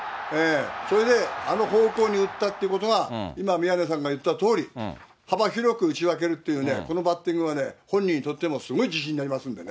それであの方向に打ったということは、今、宮根さんが言ったとおり、幅広く打ち分けるというね、このバッティングはね、本人にとってもすごい自信になりますんでね。